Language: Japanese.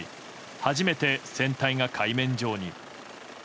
初めて船体が海面上に。